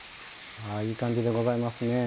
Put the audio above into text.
ああいい感じでございますねえ。